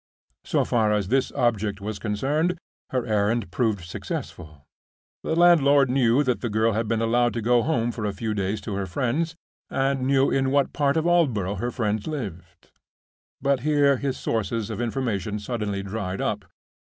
So far as this object was concerned, her errand proved successful. The landlord knew that the girl had been allowed to go home for a few days to her friends, and knew in what part of Aldborough her friends lived. But here his sources of information suddenly dried up.